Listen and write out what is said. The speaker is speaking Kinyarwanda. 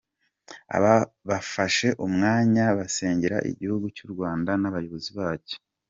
Bafashe umwanya basengera igihugu cy'u Rwanda n'abayobozi bacyo.